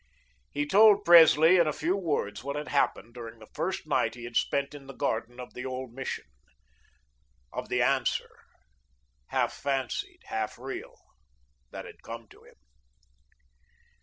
He told Presley in a few words what had happened during the first night he had spent in the garden of the old Mission, of the Answer, half fancied, half real, that had come to him.